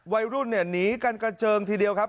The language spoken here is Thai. วัยรุ่นเนี่ยหนีกันกระเจิงทีเดียวครับ